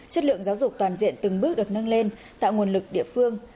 chất lượng giáo dục toàn diện từng bước được nâng lên tạo nguồn lực địa phương